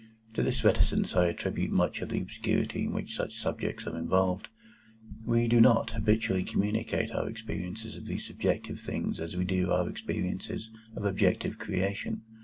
To this reticence I attribute much of the obscurity in which such subjects are involved. We do not habitually communicate our experiences of these subjective things as we do our experiences of objective creation.